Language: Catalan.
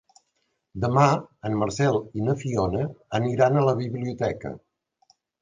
Demà en Marcel i na Fiona aniran a la biblioteca.